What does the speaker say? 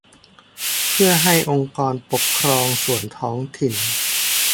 เพื่อให้องค์กรปกครองส่วนท้องถิ่น